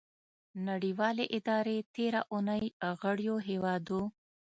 نړیوالې ادارې تیره اونۍ غړیو هیوادو